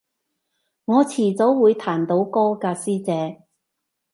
我遲早會彈到歌㗎師姐